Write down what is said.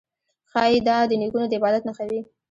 ښايي دا د نیکونو د عبادت نښه وي